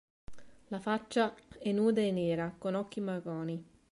La faccia è nuda e nera, con occhi marroni.